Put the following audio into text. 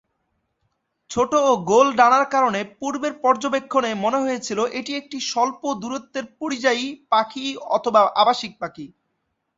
ছোট ও গোল ডানার কারণে পূর্বের পর্যবেক্ষণে মনে হয়েছিল এটি একটি স্বল্প দূরত্বের পরিযায়ী পাখি অথবা আবাসিক পাখি।